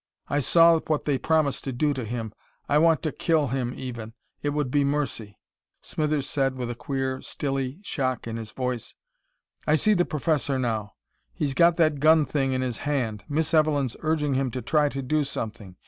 I saw what they promised to do to him. I want to to kill him, even! It would be mercy!" Smithers said, with a queer, stilly shock in his voice: "I see the Professor now. He's got that gun thing in his hand.... Miss Evelyn's urging him to try to do something....